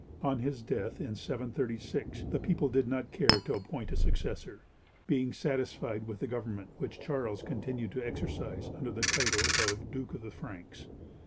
On his death, in 736, the people did not care to appoint a successor, being satisfied with the government which Charles continued to exercise under the title of "Duke of the Franks."